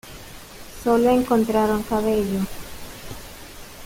Solo encontraron cabello.